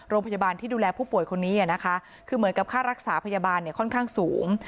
โรงพยาบาลที่ดูแลผู้ป่วยคนนี้นะคะคือเหมือนกับค่ารักษาพยาบาลเนี่ยค่อนข้างสูง